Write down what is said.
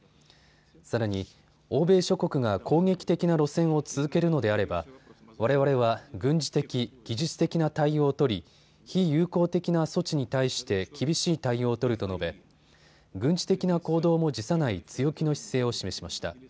さらに、欧米諸国が攻撃的な路線を続けるのであればわれわれは軍事的、技術的な対応を取り非友好的な措置に対して厳しい対応を取ると述べ軍事的な行動も辞さない強気の姿勢を示しました。